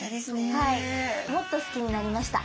はいもっと好きになりました。